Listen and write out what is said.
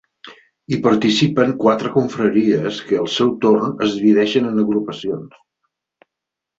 Hi participen quatre confraries, que al seu torn es dividixen en agrupacions.